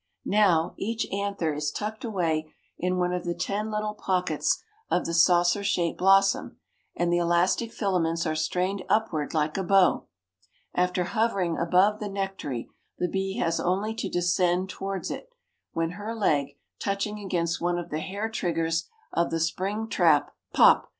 Now, each anther is tucked away in one of the ten little pockets of the saucer shaped blossom and the elastic filaments are strained upward like a bow. After hovering above the nectary, the bee has only to descend towards it, when her leg, touching against one of the hair triggers of the spring trap, pop!